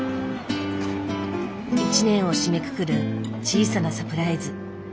一年を締めくくる小さなサプライズ。